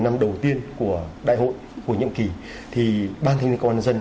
năm đầu tiên của đại hội của nhiệm kỳ thì ban thiết kế công an nhân dân